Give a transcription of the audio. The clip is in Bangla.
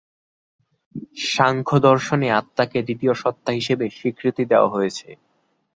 সাংখ্য দর্শনে আত্মাকে দ্বিতীয় সত্তা হিসেবে স্বীকৃতি দেওয়া হয়েছে।